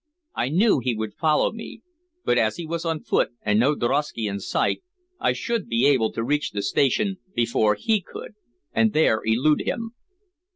I knew he would follow me, but as he was on foot, with no drosky in sight, I should be able to reach the station before he could, and there elude him.